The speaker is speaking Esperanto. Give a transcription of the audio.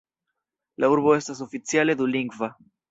La urbo estas oficiale dulingva.